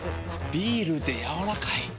ビールでやわらかい。